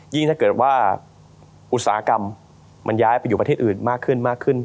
ยิ่งถ้าเกิดว่าอุตสาหกรรมมันย้ายไปอยู่ประเทศอื่นมากขึ้น